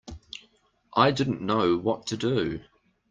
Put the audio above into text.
I didn't know what to do.